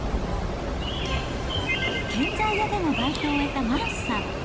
建材屋でのバイトを終えたマンスさん。